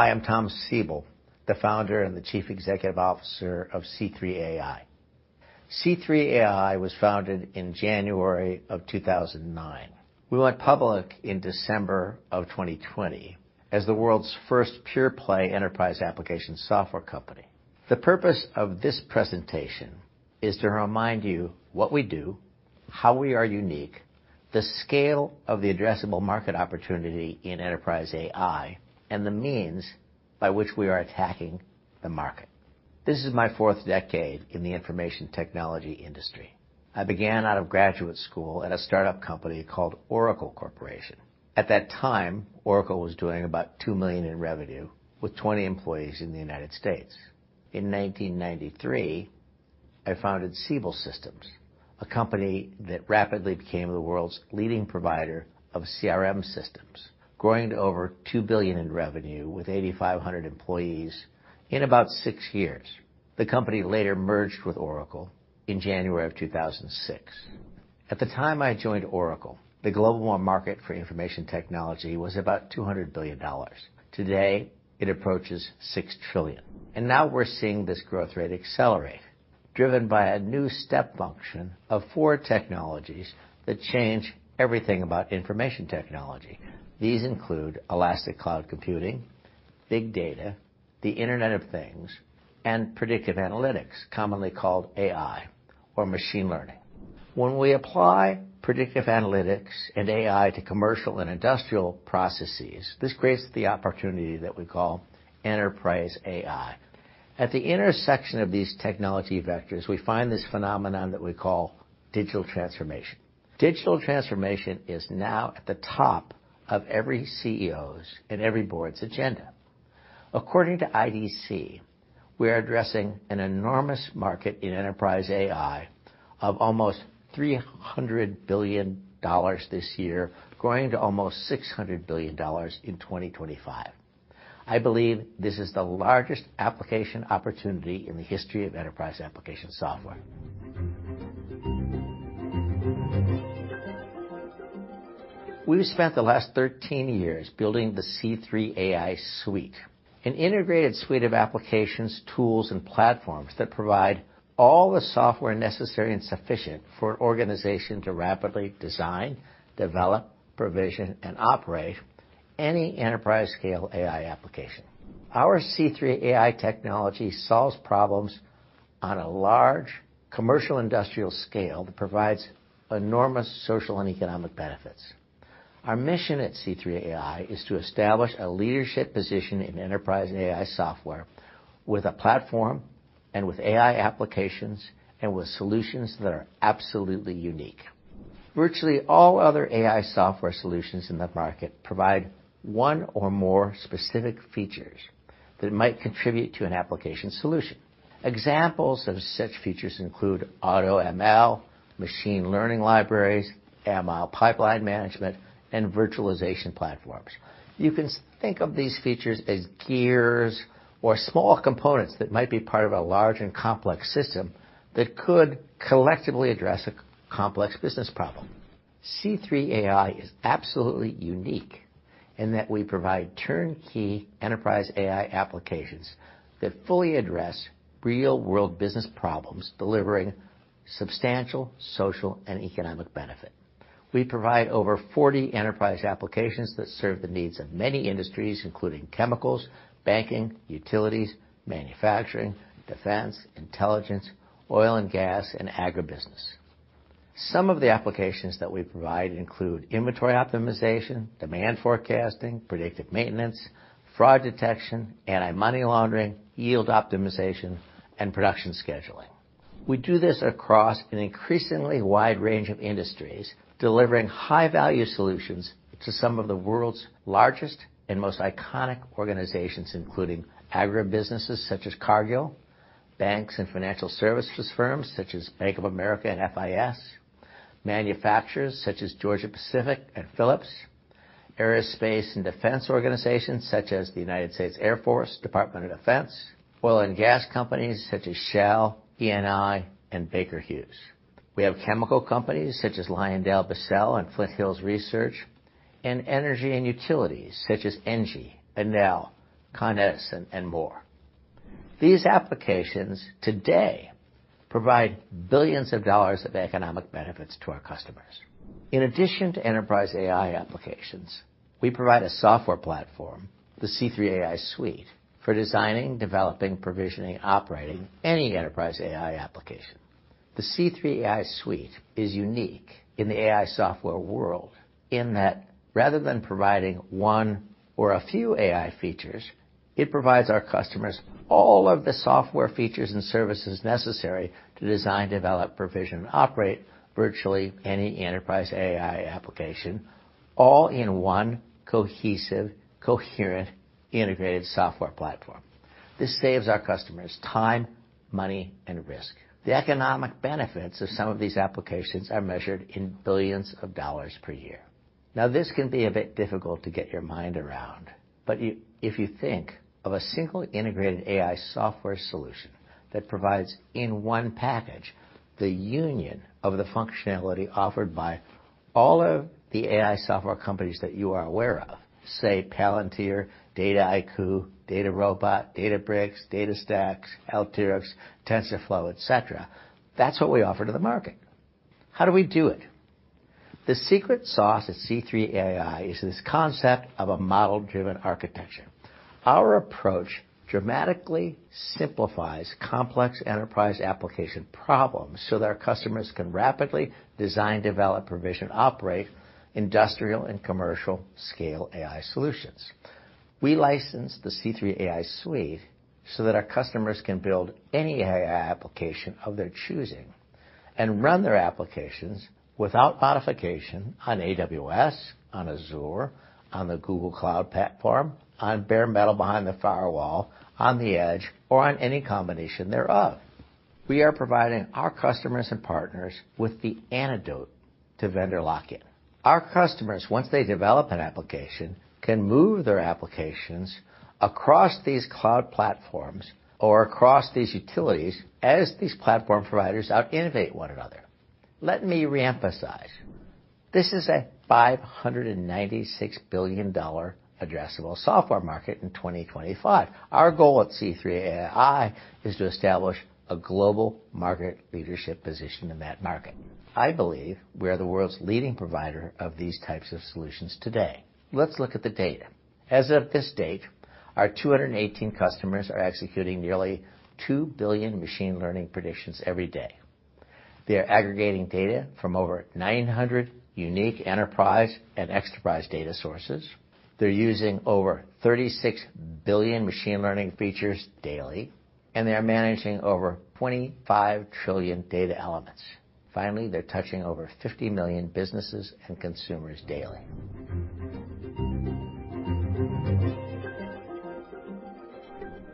Hi, I'm Thomas Siebel, the Founder and Chief Executive Officer of C3 AI. C3 AI was founded in January 2009. We went public in December 2020 as the world's first pure-play enterprise application software company. The purpose of this presentation is to remind you what we do, how we are unique, the scale of the addressable market opportunity in enterprise AI, and the means by which we are attacking the market. This is my fourth decade in the information technology industry. I began out of graduate school at a startup company called Oracle Corporation. At that time, Oracle was doing about $2 million in revenue with 20 employees in the United States. In 1993, I founded Siebel Systems, a company that rapidly became the world's leading provider of CRM systems, growing to over $2 billion in revenue with 8,500 employees in about six years. The company later merged with Oracle in January 2006. At the time I joined Oracle, the global market for information technology was about $200 billion. Today, it approaches $6 trillion. Now we're seeing this growth rate accelerate, driven by a new step function of four technologies that change everything about information technology. These include elastic cloud computing, big data, the Internet of Things, and predictive analytics, commonly called AI or machine learning. When we apply predictive analytics and AI to commercial and industrial processes, this creates the opportunity that we call enterprise AI. At the intersection of these technology vectors, we find this phenomenon that we call digital transformation. Digital transformation is now at the top of every CEO's and every board's agenda. According to IDC, we are addressing an enormous market in enterprise AI of almost $300 billion this year, growing to almost $600 billion in 2025. I believe this is the largest application opportunity in the history of enterprise application software. We've spent the last 13 years building the C3 AI Suite, an integrated suite of applications, tools, and platforms that provide all the software necessary and sufficient for an organization to rapidly design, develop, provision, and operate any enterprise-scale AI application. Our C3 AI technology solves problems on a large commercial industrial scale that provides enormous social and economic benefits. Our mission at C3 AI is to establish a leadership position in enterprise AI software with a platform and with AI applications and with solutions that are absolutely unique. Virtually all other AI software solutions in the market provide one or more specific features that might contribute to an application solution. Examples of such features include AutoML, machine learning libraries, ML pipeline management, and virtualization platforms. You can think of these features as gears or small components that might be part of a large and complex system that could collectively address a complex business problem. C3 AI is absolutely unique in that we provide turnkey enterprise AI applications that fully address real-world business problems, delivering substantial social and economic benefit. We provide over 40 enterprise applications that serve the needs of many industries, including chemicals, banking, utilities, manufacturing, defense, intelligence, oil and gas, and agribusiness. Some of the applications that we provide include inventory optimization, demand forecasting, predictive maintenance, fraud detection, anti-money laundering, yield optimization, and production scheduling. We do this across an increasingly wide range of industries, delivering high-value solutions to some of the world's largest and most iconic organizations including agribusinesses such as Cargill, banks and financial services firms such as Bank of America and FIS, manufacturers such as Georgia-Pacific and Philips, aerospace and defense organizations such as the United States Air Force, Department of Defense, oil and gas companies such as Shell, Eni, and Baker Hughes. We have chemical companies such as LyondellBasell and Flint Hills Research, and energy and utilities such as ENGIE, Enel, Con Edison, and more. These applications today provide billions of dollars of economic benefits to our customers. In addition to enterprise AI applications, we provide a software platform, the C3 AI Suite, for designing, developing, provisioning, operating any enterprise AI application. The C3 AI Suite is unique in the AI software world in that rather than providing one or a few AI features, it provides our customers all of the software features and services necessary to design, develop, provision, operate virtually any enterprise AI application, all in one cohesive, coherent, integrated software platform. This saves our customers time, money, and risk. The economic benefits of some of these applications are measured in billions of dollars per year. Now, this can be a bit difficult to get your mind around. You, if you think of a single integrated AI software solution that provides, in one package, the union of the functionality offered by all of the AI software companies that you are aware of, say, Palantir, Dataiku, DataRobot, Databricks, DataStax, Alteryx, TensorFlow, et cetera, that's what we offer to the market. How do we do it? The secret sauce at C3 AI is this concept of a model-driven architecture. Our approach dramatically simplifies complex enterprise application problems so that our customers can rapidly design, develop, provision, operate industrial and commercial scale AI solutions. We license the C3 AI Suite so that our customers can build any AI application of their choosing and run their applications without modification on AWS, on Azure, on the Google Cloud Platform, on bare metal behind the firewall, on the edge, or on any combination thereof. We are providing our customers and partners with the antidote to vendor lock-in. Our customers, once they develop an application, can move their applications across these cloud platforms or across these utilities as these platform providers out-innovate one another. Let me re-emphasize. This is a $596 billion addressable software market in 2025. Our goal at C3 AI is to establish a global market leadership position in that market. I believe we're the world's leading provider of these types of solutions today. Let's look at the data. As of this date, our 218 customers are executing nearly 2 billion machine learning predictions every day. They're aggregating data from over 900 unique enterprise and extraprise data sources. They're using over 36 billion machine learning features daily, and they are managing over 25 trillion data elements. Finally, they're touching over 50 million businesses and consumers daily.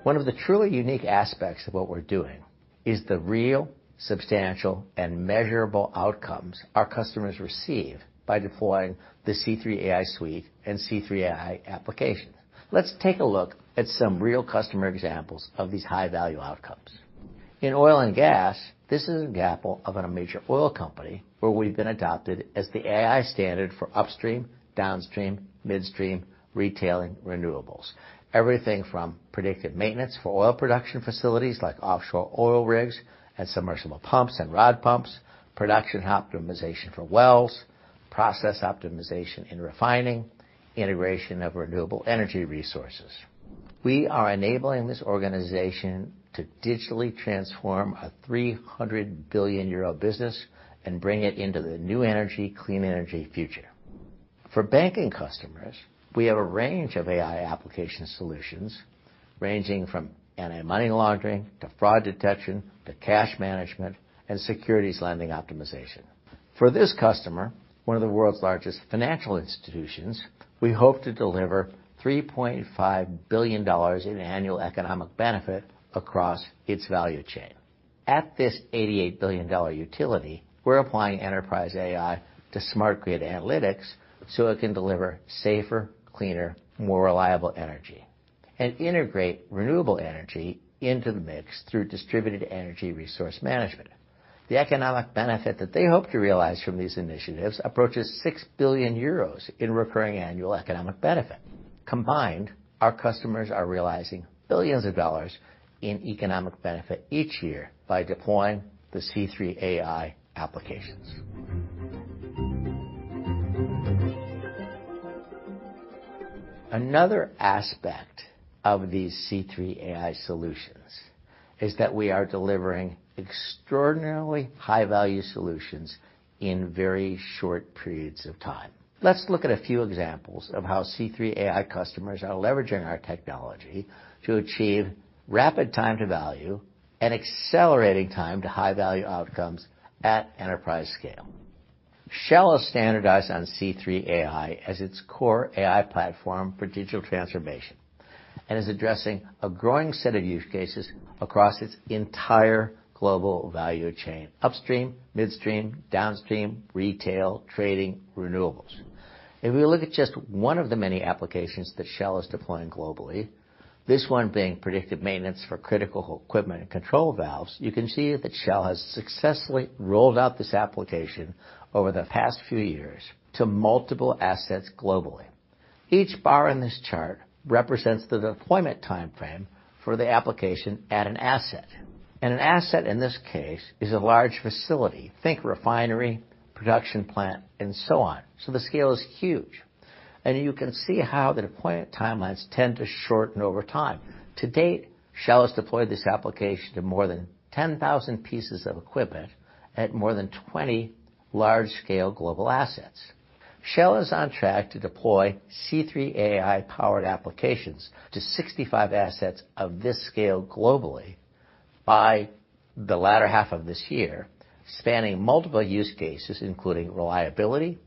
One of the truly unique aspects of what we're doing is the real substantial and measurable outcomes our customers receive by deploying the C3 AI Suite and C3 AI application. Let's take a look at some real customer examples of these high-value outcomes. In oil and gas, this is an example of a major oil company where we've been adopted as the AI standard for upstream, downstream, midstream, retailing, renewables. Everything from predictive maintenance for oil production facilities like offshore oil rigs and submersible pumps and rod pumps, production optimization for wells, process optimization in refining, integration of renewable energy resources. We are enabling this organization to digitally transform a 300 billion euro business and bring it into the new energy, clean energy future. For banking customers, we have a range of AI application solutions, ranging from anti-money laundering to fraud detection to cash management and securities lending optimization. For this customer, one of the world's largest financial institutions, we hope to deliver $3.5 billion in annual economic benefit across its value chain. At this $88 billion utility, we're applying enterprise AI to Smart Grid Analytics so it can deliver safer, cleaner, more reliable energy and integrate renewable energy into the mix through distributed energy resource management. The economic benefit that they hope to realize from these initiatives approaches 6 billion euros in recurring annual economic benefit. Combined, our customers are realizing billions of dollars in economic benefit each year by deploying the C3 AI applications. Another aspect of these C3 AI solutions is that we are delivering extraordinarily high-value solutions in very short periods of time. Let's look at a few examples of how C3 AI customers are leveraging our technology to achieve rapid time to value and accelerating time to high-value outcomes at enterprise scale. Shell has standardized on C3 AI as its core AI platform for digital transformation, and is addressing a growing set of use cases across its entire global value chain, upstream, midstream, downstream, retail, trading, renewables. If we look at just one of the many applications that Shell is deploying globally, this one being predictive maintenance for critical equipment and control valves, you can see that Shell has successfully rolled out this application over the past few years to multiple assets globally. Each bar in this chart represents the deployment timeframe for the application at an asset. An asset, in this case, is a large facility. Think refinery, production plant, and so on. The scale is huge. You can see how the deployment timelines tend to shorten over time. To date, Shell has deployed this application to more than 10,000 pieces of equipment at more than 20 large-scale global assets. Shell is on track to deploy C3 AI-powered applications to 65 assets of this scale globally by the latter half of this year, spanning multiple use cases, including reliability,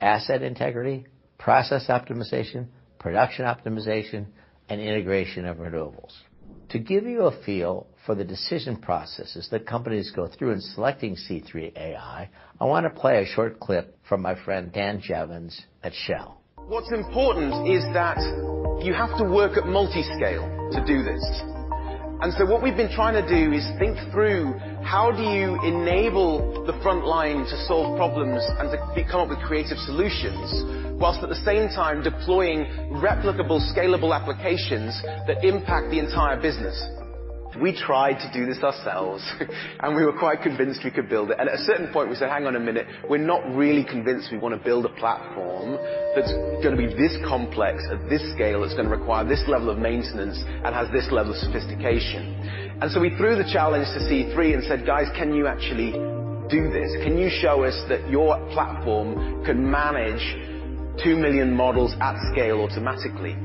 asset integrity, process optimization, production optimization and integration of renewables. To give you a feel for the decision processes that companies go through in selecting C3 AI, I wanna play a short clip from my friend Dan Jeavons at Shell. What's important is that you have to work at multiscale to do this. What we've been trying to do is think through how do you enable the front line to solve problems and to come up with creative solutions, while at the same time deploying replicable, scalable applications that impact the entire business? We tried to do this ourselves and we were quite convinced we could build it. At a certain point, we said, "Hang on a minute. We're not really convinced we wanna build a platform that's gonna be this complex at this scale, that's gonna require this level of maintenance, and has this level of sophistication." We threw the challenge to C3 AI and said, "Guys, can you actually do this? Can you show us that your platform can manage 2 million models at scale automatically?"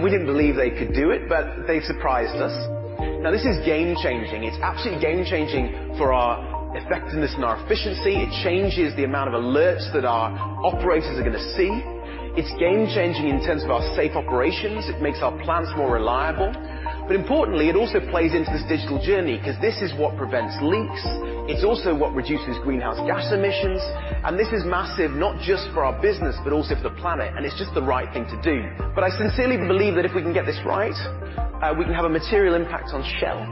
We didn't believe they could do it, but they surprised us. Now this is game-changing. It's absolutely game-changing for our effectiveness and our efficiency. It changes the amount of alerts that our operators are gonna see. It's game-changing in terms of our safe operations. It makes our plants more reliable. Importantly, it also plays into this digital journey, 'cause this is what prevents leaks. It's also what reduces greenhouse gas emissions, and this is massive, not just for our business, but also for the planet, and it's just the right thing to do. I sincerely believe that if we can get this right, we can have a material impact on Shell.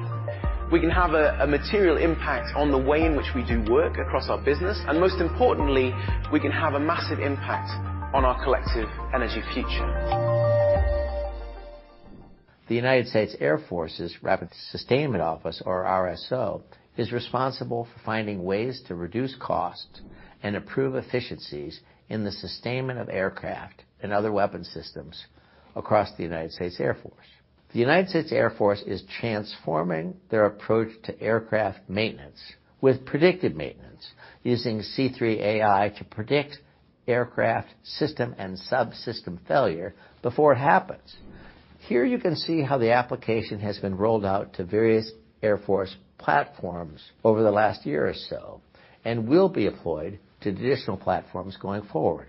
We can have a material impact on the way in which we do work across our business, and most importantly, we can have a massive impact on our collective energy future. The United States Air Force's Rapid Sustainment Office, or RSO, is responsible for finding ways to reduce costs and improve efficiencies in the sustainment of aircraft and other weapon systems across the United States Air Force. The United States Air Force is transforming their approach to aircraft maintenance with predictive maintenance using C3 AI to predict aircraft system and subsystem failure before it happens. Here you can see how the application has been rolled out to various Air Force platforms over the last year or so, and will be employed to additional platforms going forward.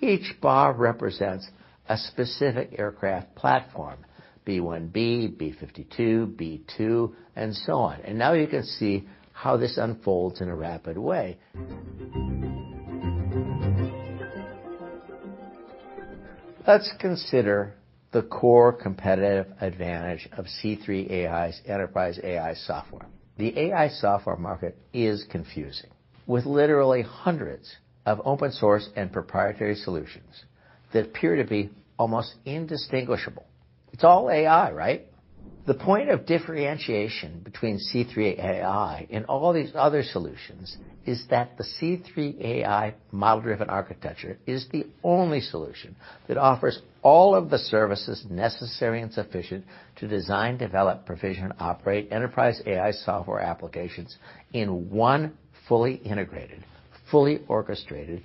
Each bar represents a specific aircraft platform, B-1B, B-52, B-2, and so on. Now you can see how this unfolds in a rapid way. Let's consider the core competitive advantage of C3 AI's Enterprise AI software. The AI software market is confusing, with literally hundreds of open source and proprietary solutions that appear to be almost indistinguishable. It's all AI, right? The point of differentiation between C3 AI and all these other solutions is that the C3 AI model-driven architecture is the only solution that offers all of the services necessary and sufficient to design, develop, provision, operate enterprise AI software applications in one fully integrated, fully orchestrated,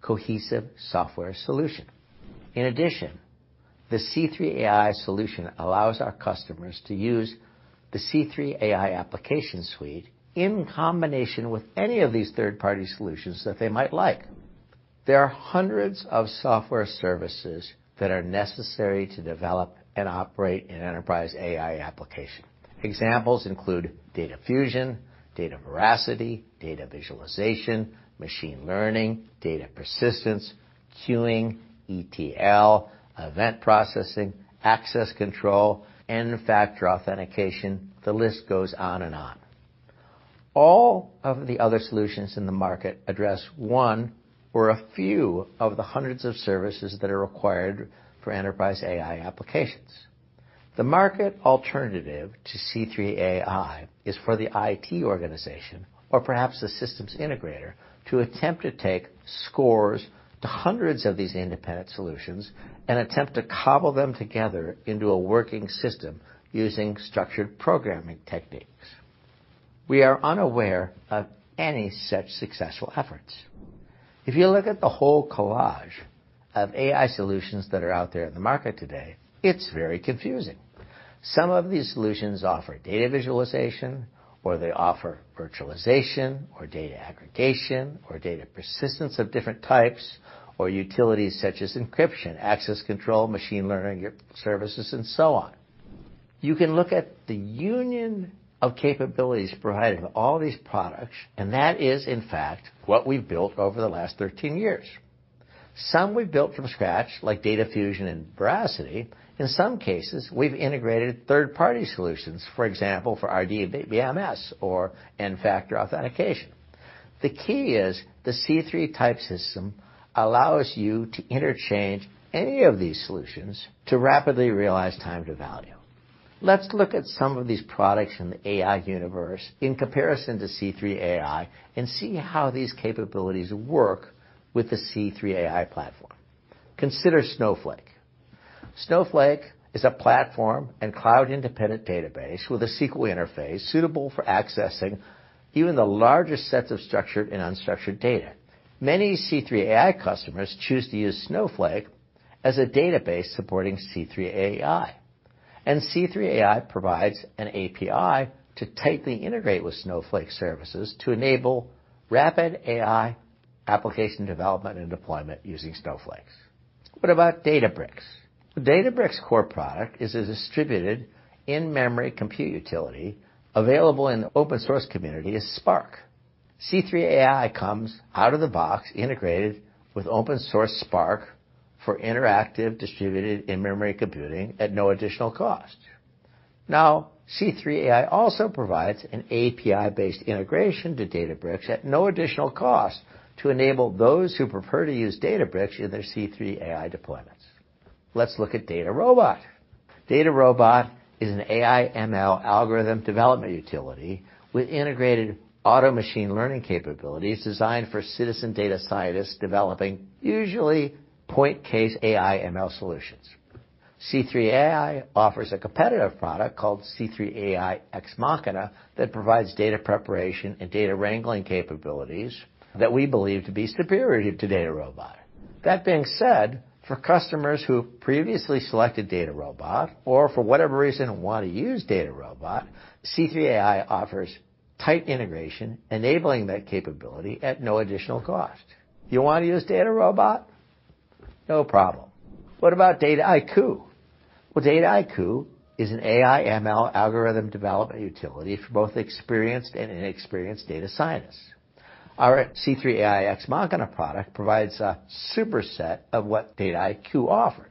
cohesive software solution. In addition, the C3 AI solution allows our customers to use the C3 AI application suite in combination with any of these third-party solutions that they might like. There are hundreds of software services that are necessary to develop and operate an enterprise AI application. Examples include data fusion, data veracity, data visualization, machine learning, data persistence, queuing, ETL, event processing, access control, N-factor authentication. The list goes on and on. All of the other solutions in the market address one or a few of the hundreds of services that are required for enterprise AI applications. The market alternative to C3 AI is for the IT organization or perhaps the systems integrator to attempt to take dozens to hundreds of these independent solutions and attempt to cobble them together into a working system using structured programming techniques. We are unaware of any such successful efforts. If you look at the whole collage of AI solutions that are out there in the market today, it's very confusing. Some of these solutions offer data visualization, or they offer virtualization or data aggregation or data persistence of different types or utilities such as encryption, access control, machine learning services, and so on. You can look at the union of capabilities provided in all these products, and that is, in fact, what we've built over the last 13 years. Some we've built from scratch, like data fusion and veracity. In some cases, we've integrated third-party solutions, for example, for R&D and VMS or N-factor authentication. The key is the C3-type system allows you to interchange any of these solutions to rapidly realize time to value. Let's look at some of these products in the AI universe in comparison to C3 AI and see how these capabilities work with the C3 AI Platform. Consider Snowflake. Snowflake is a platform and cloud independent database with a SQL interface suitable for accessing even the largest sets of structured and unstructured data. Many C3 AI customers choose to use Snowflake as a database supporting C3 AI. C3 AI provides an API to tightly integrate with Snowflake services to enable rapid AI application development and deployment using Snowflake's. What about Databricks? Databricks' core product is a distributed in-memory compute utility available in the open source community as Spark. C3 AI comes out of the box integrated with open source Spark for interactive distributed in-memory computing at no additional cost. Now, C3 AI also provides an API-based integration to Databricks at no additional cost to enable those who prefer to use Databricks in their C3 AI deployments. Let's look at DataRobot. DataRobot is an AI ML algorithm development utility with integrated AutoML capabilities designed for citizen data scientists developing usually use case AI ML solutions. C3 AI offers a competitive product called C3 AI Ex Machina that provides data preparation and data wrangling capabilities that we believe to be superior to DataRobot. That being said, for customers who have previously selected DataRobot or for whatever reason want to use DataRobot, C3 AI offers tight integration, enabling that capability at no additional cost. You wanna use DataRobot? No problem. What about Dataiku? Well, Dataiku is an AI ML algorithm development utility for both experienced and inexperienced data scientists. Our C3 AI Ex Machina product provides a superset of what Dataiku offers.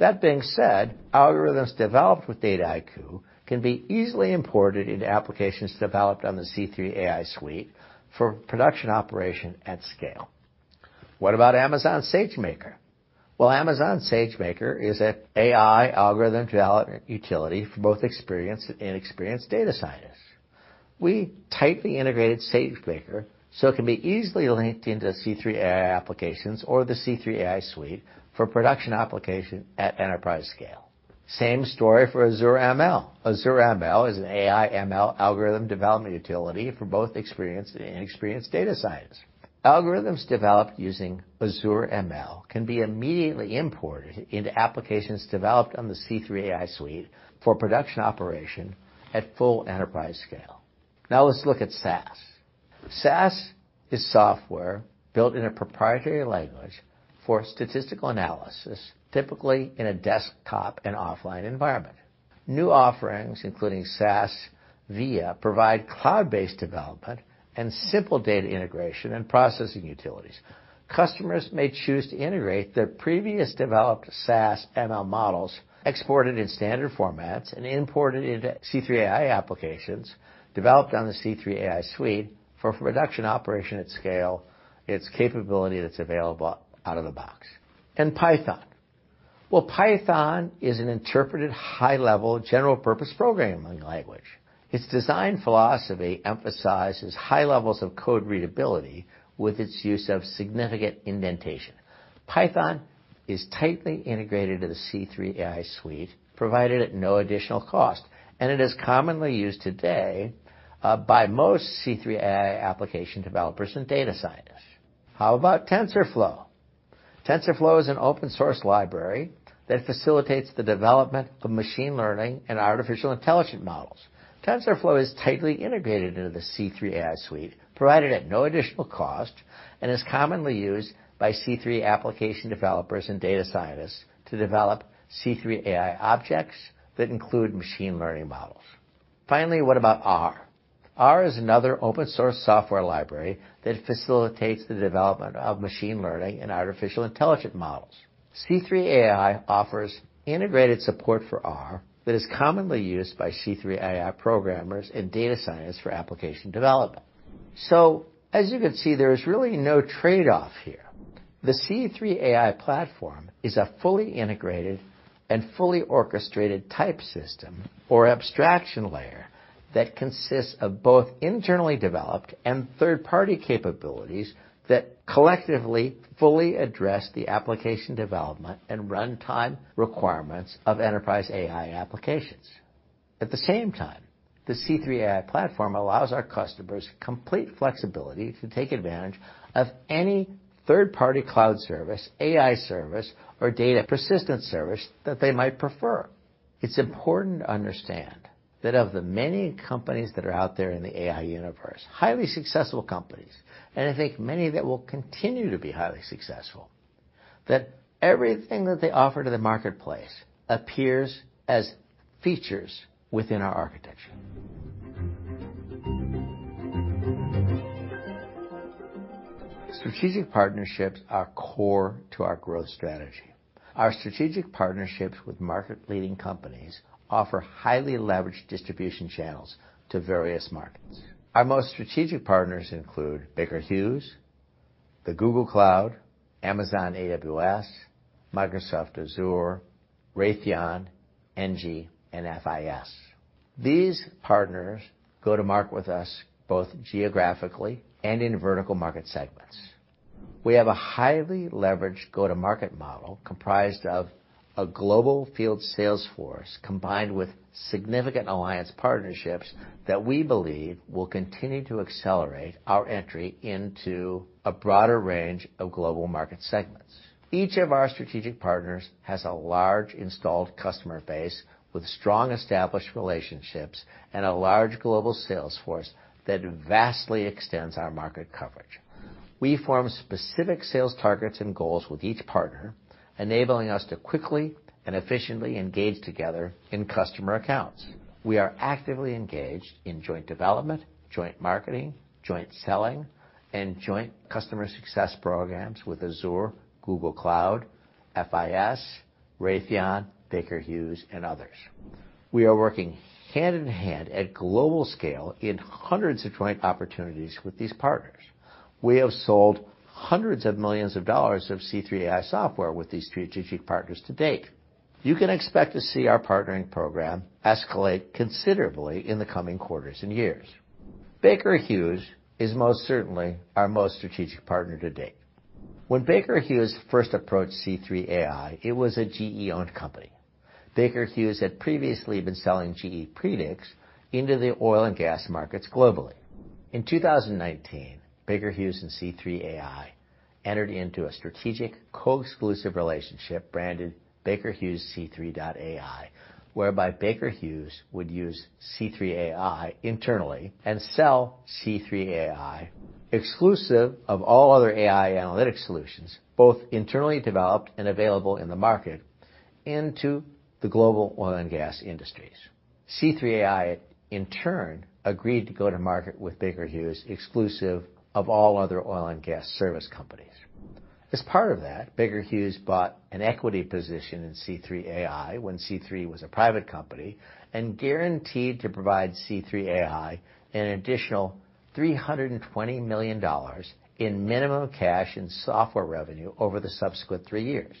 That being said, algorithms developed with Dataiku can be easily imported into applications developed on the C3 AI Suite for production operation at scale. What about Amazon SageMaker? Well, Amazon SageMaker is an AI algorithm development utility for both experienced and inexperienced data scientists. We tightly integrated SageMaker so it can be easily linked into C3 AI applications or the C3 AI Suite for production application at enterprise scale. Same story for Azure ML. Azure ML is an AI ML algorithm development utility for both experienced and inexperienced data scientists. Algorithms developed using Azure ML can be immediately imported into applications developed on the C3 AI Suite for production operation at full enterprise scale. Now let's look at SAS. SAS is software built in a proprietary language for statistical analysis, typically in a desktop and offline environment. New offerings, including SAS Viya, provide cloud-based development and simple data integration and processing utilities. Customers may choose to integrate their previous developed SAS ML models exported in standard formats and imported into C3 AI applications developed on the C3 AI Suite for production operation at scale. It's capability that's available out of the box. Python. Well, Python is an interpreted high-level general purpose programming language. Its design philosophy emphasizes high levels of code readability with its use of significant indentation. Python is tightly integrated into C3 AI Suite, provided at no additional cost, and it is commonly used today by most C3 AI application developers and data scientists. How about TensorFlow? TensorFlow is an open source library that facilitates the development of machine learning and artificial intelligence models. TensorFlow is tightly integrated into the C3 AI Suite, provided at no additional cost, and is commonly used by C3 AI application developers and data scientists to develop C3 AI objects that include machine learning models. Finally, what about R? R is another open source software library that facilitates the development of machine learning and artificial intelligence models. C3 AI offers integrated support for R that is commonly used by C3 AI programmers and data scientists for application development. As you can see, there is really no trade-off here. The C3 AI Platform is a fully integrated and fully orchestrated type system or abstraction layer that consists of both internally developed and third-party capabilities that collectively fully address the application development and runtime requirements of enterprise AI applications. At the same time, the C3 AI Platform allows our customers complete flexibility to take advantage of any third-party cloud service, AI service, or data persistence service that they might prefer. It's important to understand that of the many companies that are out there in the AI universe, highly successful companies, and I think many that will continue to be highly successful, that everything that they offer to the marketplace appears as features within our architecture. Strategic partnerships are core to our growth strategy. Our strategic partnerships with market leading companies offer highly leveraged distribution channels to various markets. Our most strategic partners include Baker Hughes, Google Cloud, Amazon AWS, Microsoft Azure, Raytheon, ENGIE, and FIS. These partners go to market with us both geographically and in vertical market segments. We have a highly leveraged go-to-market model comprised of a global field sales force, combined with significant alliance partnerships that we believe will continue to accelerate our entry into a broader range of global market segments. Each of our strategic partners has a large installed customer base with strong established relationships and a large global sales force that vastly extends our market coverage. We form specific sales targets and goals with each partner, enabling us to quickly and efficiently engage together in customer accounts. We are actively engaged in joint development, joint marketing, joint selling, and joint customer success programs with Azure, Google Cloud, FIS, Raytheon, Baker Hughes, and others. We are working hand-in-hand at global scale in hundreds of joint opportunities with these partners. We have sold hundreds of millions of dollars of C3 AI software with these strategic partners to date. You can expect to see our partnering program escalate considerably in the coming quarters and years. Baker Hughes is most certainly our most strategic partner to date. When Baker Hughes first approached C3 AI, it was a GE-owned company. Baker Hughes had previously been selling GE Predix into the oil and gas markets globally. In 2019, Baker Hughes and C3 AI entered into a strategic co-exclusive relationship branded Baker Hughes C3.ai, whereby Baker Hughes would use C3 AI internally and sell C3 AI exclusive of all other AI analytic solutions, both internally developed and available in the market into the global oil and gas industries. C3 AI, in turn, agreed to go to market with Baker Hughes exclusive of all other oil and gas service companies. As part of that, Baker Hughes bought an equity position in C3 AI when C3 was a private company and guaranteed to provide C3 AI an additional $320 million in minimum cash and software revenue over the subsequent three years.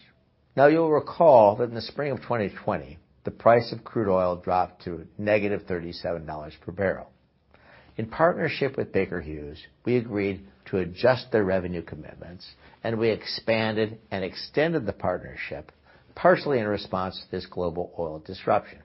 Now you'll recall that in the spring of 2020, the price of crude oil dropped to -$37 per barrel. In partnership with Baker Hughes, we agreed to adjust their revenue commitments, and we expanded and extended the partnership, partially in response to this global oil disruption.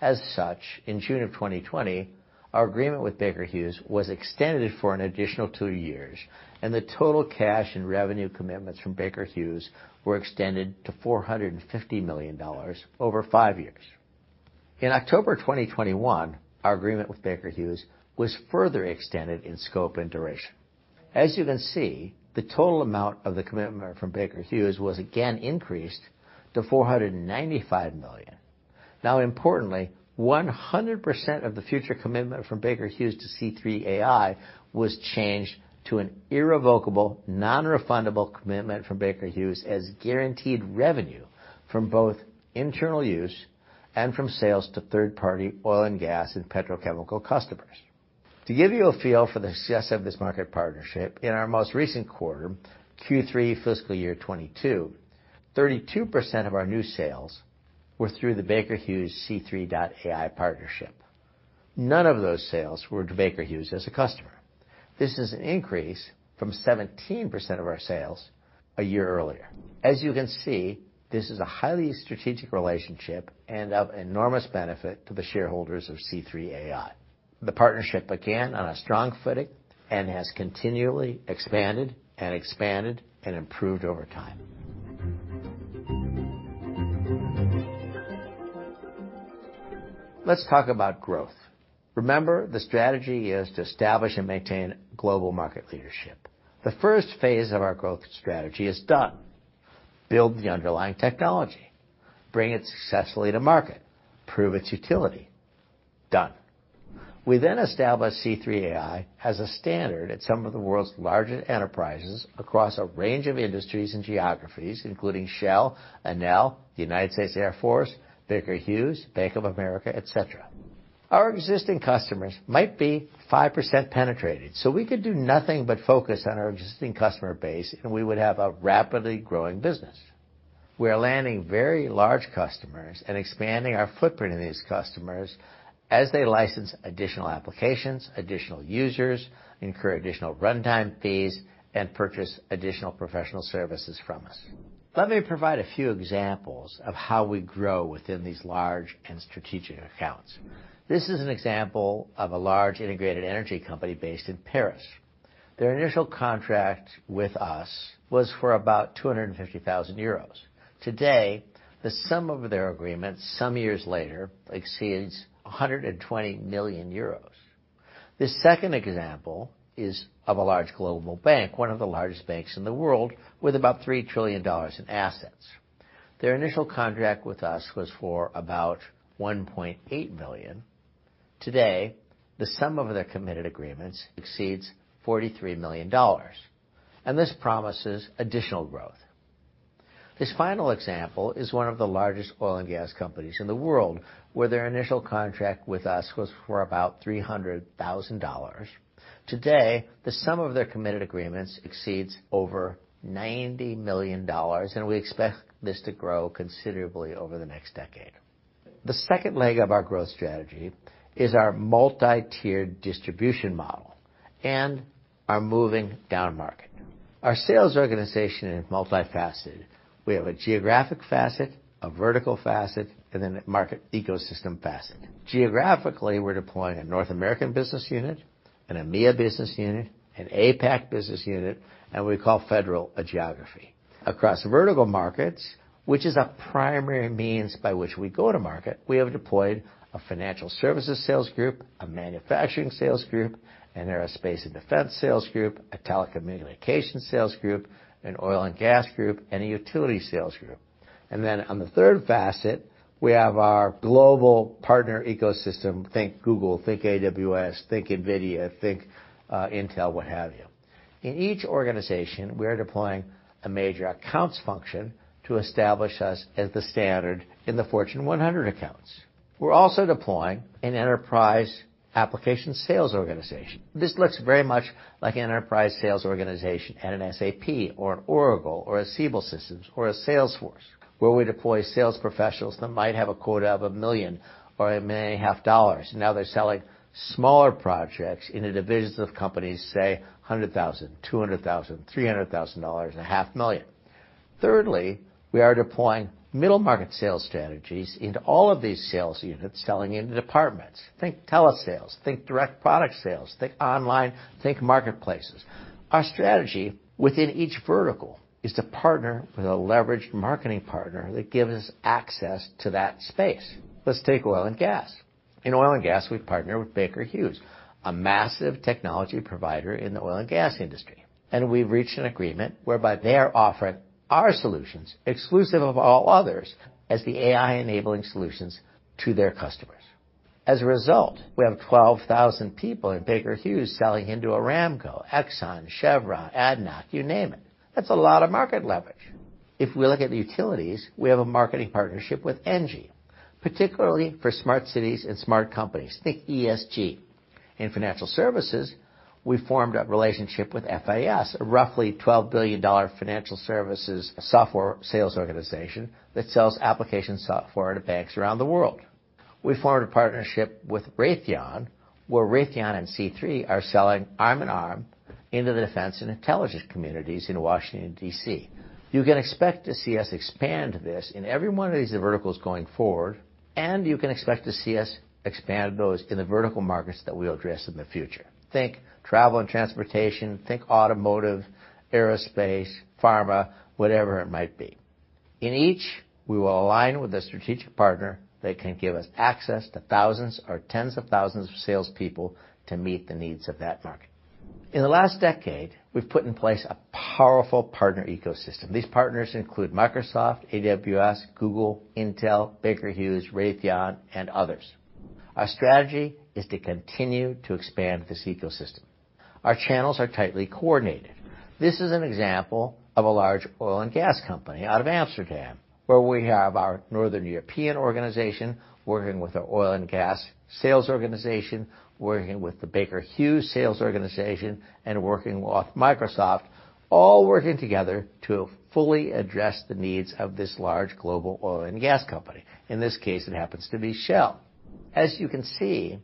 As such, in June 2020, our agreement with Baker Hughes was extended for an additional two years, and the total cash and revenue commitments from Baker Hughes were extended to $450 million over five years. In October 2021, our agreement with Baker Hughes was further extended in scope and duration. As you can see, the total amount of the commitment from Baker Hughes was again increased to $495 million. Now importantly, 100% of the future commitment from Baker Hughes to C3 AI was changed to an irrevocable, non-refundable commitment from Baker Hughes as guaranteed revenue from both internal use and from sales to third-party oil and gas and petrochemical customers. To give you a feel for the success of this market partnership, in our most recent quarter, Q3 fiscal year 2022, 32% of our new sales were through the Baker Hughes C3 AI partnership. None of those sales were to Baker Hughes as a customer. This is an increase from 17% of our sales a year earlier. As you can see, this is a highly strategic relationship and of enormous benefit to the shareholders of C3 AI. The partnership began on a strong footing and has continually expanded and improved over time. Let's talk about growth. Remember, the strategy is to establish and maintain global market leadership. The first phase of our growth strategy is done. Build the underlying technology, bring it successfully to market, prove its utility. Done. We then establish C3 AI as a standard at some of the world's largest enterprises across a range of industries and geographies, including Shell, Enel, United States Air Force, Baker Hughes, Bank of America, et cetera. Our existing customers might be 5% penetrated, so we could do nothing but focus on our existing customer base, and we would have a rapidly growing business. We are landing very large customers and expanding our footprint in these customers as they license additional applications, additional users, incur additional runtime fees, and purchase additional professional services from us. Let me provide a few examples of how we grow within these large and strategic accounts. This is an example of a large integrated energy company based in Paris. Their initial contract with us was for about 250,000 euros. Today, the sum of their agreements some years later exceeds 120 million euros. The second example is of a large global bank, one of the largest banks in the world, with about $3 trillion in assets. Their initial contract with us was for about $1.8 million. Today, the sum of their committed agreements exceeds $43 million, and this promises additional growth. This final example is one of the largest oil and gas companies in the world, where their initial contract with us was for about $300,000. Today, the sum of their committed agreements exceeds over $90 million, and we expect this to grow considerably over the next decade. The second leg of our growth strategy is our multi-tiered distribution model and our moving downmarket. Our sales organization is multifaceted. We have a geographic facet, a vertical facet, and then a market ecosystem facet. Geographically, we're deploying a North American business unit, an EMEA business unit, an APAC business unit, and we call federal a geography. Across vertical markets, which is our primary means by which we go to market, we have deployed a financial services sales group, a manufacturing sales group, an aerospace and defense sales group, a telecommunication sales group, an oil and gas group, and a utility sales group. On the third facet, we have our global partner ecosystem. Think Google, think AWS, think NVIDIA, think Intel, what have you. In each organization, we are deploying a major accounts function to establish us as the standard in the Fortune 100 accounts. We're also deploying an enterprise application sales organization. This looks very much like an enterprise sales organization at an SAP or an Oracle or a Siebel Systems or a Salesforce, where we deploy sales professionals that might have a quota of $1 million or $1.5 million. Now they're selling smaller projects in the divisions of companies, say $100,000, $200,000, $300,000, $500,000. Thirdly, we are deploying middle market sales strategies into all of these sales units selling into departments. Think telesales, think direct product sales, think online, think marketplaces. Our strategy within each vertical is to partner with a leveraged marketing partner that gives us access to that space. Let's take oil and gas. In oil and gas, we partner with Baker Hughes, a massive technology provider in the oil and gas industry. We've reached an agreement whereby they are offering our solutions, exclusive of all others, as the AI-enabling solutions to their customers. As a result, we have 12,000 people in Baker Hughes selling into Aramco, Exxon, Chevron, ADNOC, you name it. That's a lot of market leverage. If we look at the utilities, we have a marketing partnership with ENGIE, particularly for smart cities and smart companies. Think ESG. In financial services, we formed a relationship with FIS, a roughly $12 billion financial services software sales organization that sells application software to banks around the world. We formed a partnership with Raytheon, where Raytheon and C3 AI are selling arm in arm into the defense and intelligence communities in Washington, D.C. You can expect to see us expand this in every one of these verticals going forward, and you can expect to see us expand those in the vertical markets that we'll address in the future. Think travel and transportation, think automotive, aerospace, pharma, whatever it might be. In each, we will align with a strategic partner that can give us access to thousands or tens of thousands of salespeople to meet the needs of that market. In the last decade, we've put in place a powerful partner ecosystem. These partners include Microsoft, AWS, Google, Intel, Baker Hughes, Raytheon, and others. Our strategy is to continue to expand this ecosystem. Our channels are tightly coordinated. This is an example of a large oil and gas company out of Amsterdam, where we have our Northern European organization working with our oil and gas sales organization, working with the Baker Hughes sales organization, and working with Microsoft, all working together to fully address the needs of this large global oil and gas company. In this case, it happens to be Shell. As you can see,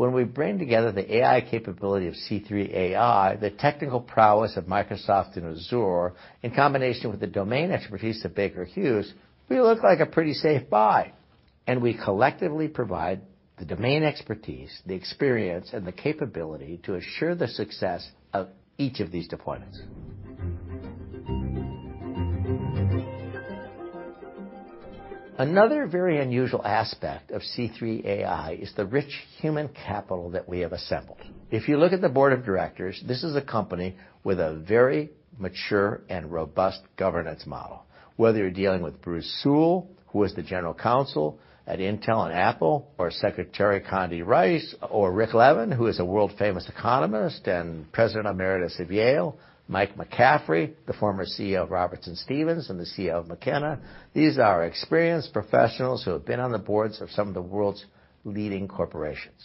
when we bring together the AI capability of C3 AI, the technical prowess of Microsoft and Azure, in combination with the domain expertise of Baker Hughes, we look like a pretty safe buy. We collectively provide the domain expertise, the experience, and the capability to assure the success of each of these deployments. Another very unusual aspect of C3 AI is the rich human capital that we have assembled. If you look at the Board of Directors, this is a company with a very mature and robust governance model, whether you're dealing with Bruce Sewell, who was the General Counsel at Intel and Apple, or Secretary Condi Rice, or Rick Levin, who is a world-famous economist and President Emeritus of Yale, Mike McCaffery, the former CEO of Robertson Stephens and the CEO of Makena. These are experienced professionals who have been on the boards of some of the world's leading corporations.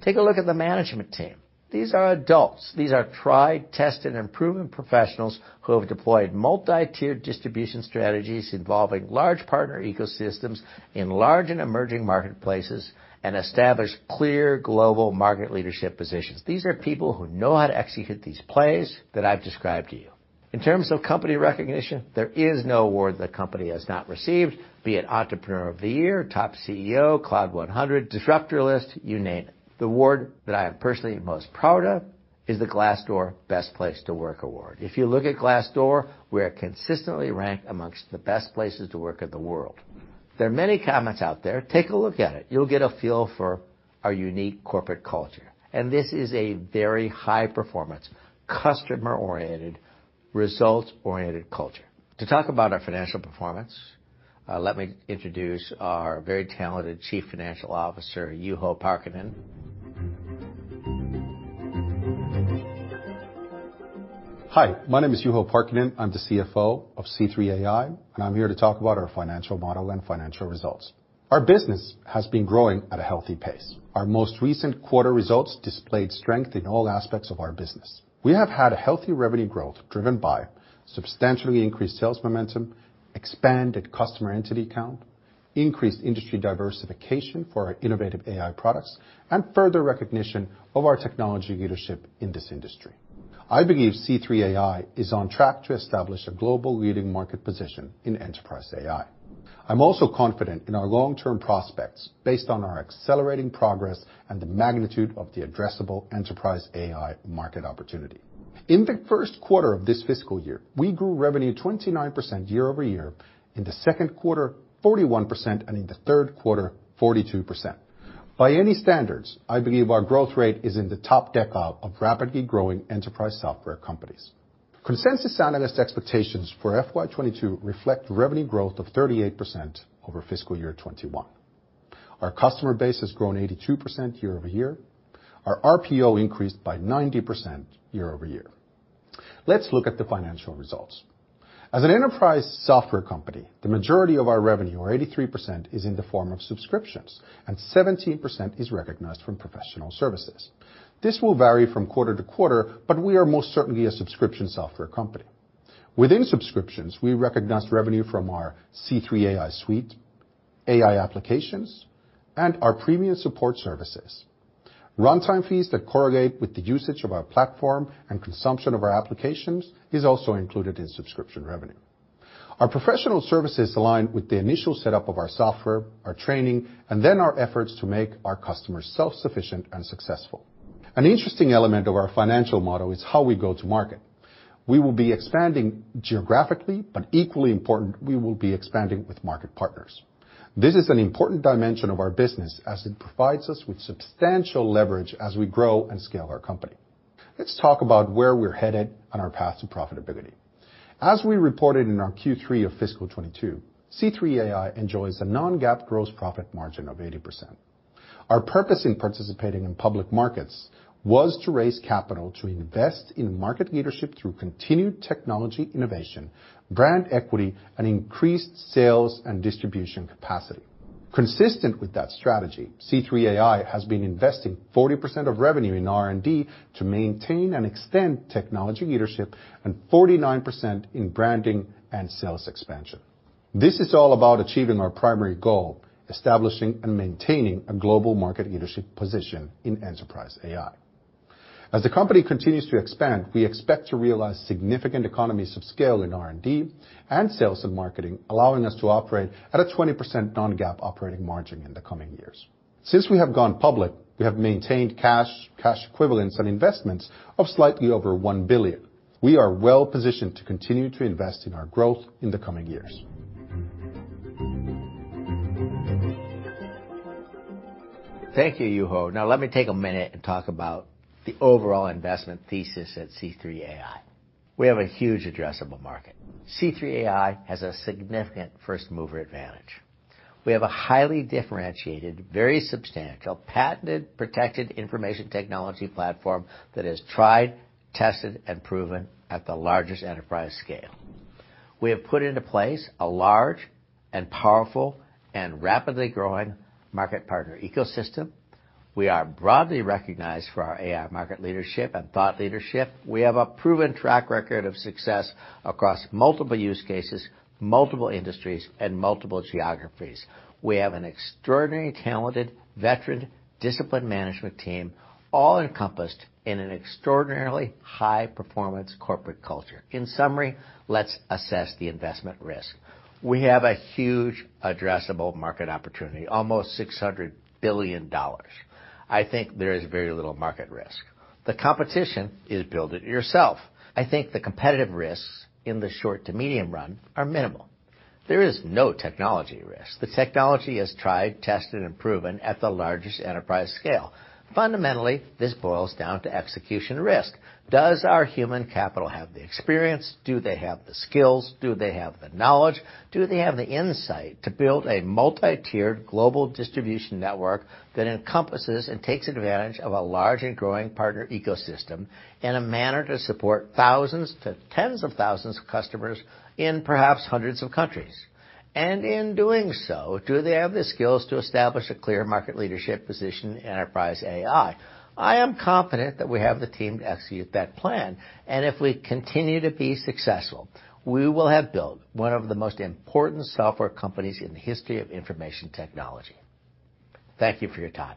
Take a look at the management team. These are adults. These are tried, tested, and proven professionals who have deployed multi-tiered distribution strategies involving large partner ecosystems in large and emerging marketplaces and established clear global market leadership positions. These are people who know how to execute these plays that I've described to you. In terms of company recognition, there is no award the company has not received, be it Entrepreneur of the Year, Top CEO, Cloud 100, Disruptor List, you name it. The award that I am personally most proud of is the Glassdoor Best Places to Work award. If you look at Glassdoor, we are consistently ranked amongst the best places to work in the world. There are many comments out there. Take a look at it. You'll get a feel for our unique corporate culture. This is a very high-performance, customer-oriented, results-oriented culture. To talk about our financial performance, let me introduce our very talented chief financial officer, Juho Parkkinen. Hi, my name is Juho Parkkinen. I'm the CFO of C3 AI, and I'm here to talk about our financial model and financial results. Our business has been growing at a healthy pace. Our most recent quarter results displayed strength in all aspects of our business. We have had a healthy revenue growth driven by substantially increased sales momentum, expanded customer entity count, increased industry diversification for our innovative AI products, and further recognition of our technology leadership in this industry. I believe C3 AI is on track to establish a global leading market position in enterprise AI. I'm also confident in our long-term prospects based on our accelerating progress and the magnitude of the addressable enterprise AI market opportunity. In the first quarter of this fiscal year, we grew revenue 29% year-over-year. In the second quarter, 41%, and in the third quarter, 42%. By any standards, I believe our growth rate is in the top decile of rapidly growing enterprise software companies. Consensus analyst expectations for FY 2022 reflect revenue growth of 38% over fiscal year 2021. Our customer base has grown 82% year-over-year. Our RPO increased by 90% year-over-year. Let's look at the financial results. As an enterprise software company, the majority of our revenue, or 83%, is in the form of subscriptions, and 17% is recognized from professional services. This will vary from quarter to quarter, but we are most certainly a subscription software company. Within subscriptions, we recognize revenue from our C3 AI Suite, AI applications, and our premium support services. Runtime fees that correlate with the usage of our platform and consumption of our applications is also included in subscription revenue. Our professional services align with the initial setup of our software, our training, and then our efforts to make our customers self-sufficient and successful. An interesting element of our financial model is how we go to market. We will be expanding geographically, but equally important, we will be expanding with market partners. This is an important dimension of our business as it provides us with substantial leverage as we grow and scale our company. Let's talk about where we're headed on our path to profitability. As we reported in our Q3 of fiscal 2022, C3 AI enjoys a non-GAAP gross profit margin of 80%. Our purpose in participating in public markets was to raise capital to invest in market leadership through continued technology innovation, brand equity, and increased sales and distribution capacity. Consistent with that strategy, C3 AI has been investing 40% of revenue in R&D to maintain and extend technology leadership and 49% in branding and sales expansion. This is all about achieving our primary goal, establishing and maintaining a global market leadership position in enterprise AI. As the company continues to expand, we expect to realize significant economies of scale in R&D and sales and marketing, allowing us to operate at a 20% non-GAAP operating margin in the coming years. Since we have gone public, we have maintained cash equivalents, and investments of slightly over $1 billion. We are well-positioned to continue to invest in our growth in the coming years. Thank you, Juho. Now let me take a minute and talk about the overall investment thesis at C3 AI. We have a huge addressable market. C3 AI has a significant first-mover advantage. We have a highly differentiated, very substantial, patented, protected information technology platform that is tried, tested, and proven at the largest enterprise scale. We have put into place a large and powerful and rapidly growing market partner ecosystem. We are broadly recognized for our AI market leadership and thought leadership. We have a proven track record of success across multiple use cases, multiple industries, and multiple geographies. We have an extraordinary talented, veteran, disciplined management team, all encompassed in an extraordinarily high-performance corporate culture. In summary, let's assess the investment risk. We have a huge addressable market opportunity, almost $600 billion. I think there is very little market risk. The competition is build-it-yourself. I think the competitive risks in the short to medium run are minimal. There is no technology risk. The technology is tried, tested, and proven at the largest enterprise scale. Fundamentally, this boils down to execution risk. Does our human capital have the experience? Do they have the skills? Do they have the knowledge? Do they have the insight to build a multi-tiered global distribution network that encompasses and takes advantage of a large and growing partner ecosystem in a manner to support thousands to tens of thousands of customers in perhaps hundreds of countries? In doing so, do they have the skills to establish a clear market leadership position in enterprise AI? I am confident that we have the team to execute that plan. If we continue to be successful, we will have built one of the most important software companies in the history of information technology. Thank you for your time.